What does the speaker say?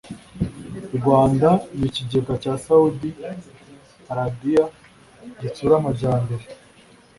rwanda n ikigega cya saudi arabiya gitsura amajyambere